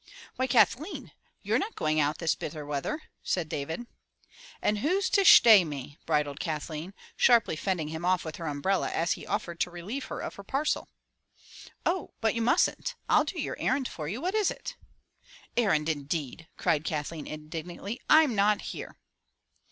"Why Kathleen, you're not going out this bitter weather,'* said David. *'And who's to shtay me?" bridled Kathleen, sharply fending him off with her umbrella as he offered to relieve her of her parcel. "Oh, but you mustn't! I '11 do your errand for you. What is it?" "Errand is it indeed!" cried Kathleen indignantly. "I'm not here!"